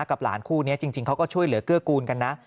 กับหลานคู่นี้จริงเขาก็ช่วยเหลือเกื้อกูลกันนะ